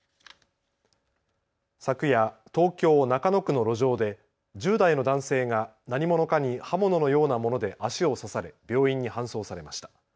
昨夜、東京中野区の路上で１０代の男性が何者かに刃物のようなもので足を刺され病院に搬送されました。